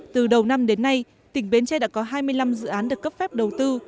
từ đầu năm đến nay tỉnh bến tre đã có hai mươi năm dự án được cấp phép đầu tư